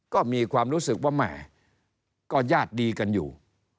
ก็มีความรู้สึกว่าแหมก็ญาติดีกันอยู่